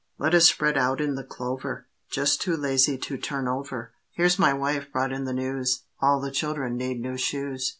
Let us spread out in the clover, Just too lazy to turn over, (Here my wife brought in the news: All the children need new shoes.)